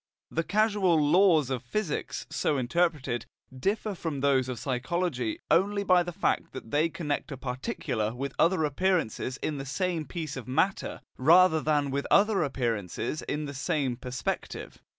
The causal laws of physics, so interpreted, differ from those of psychology only by the fact that they connect a particular with other appearances in the same piece of matter, rather than with other appearances in the same perspective.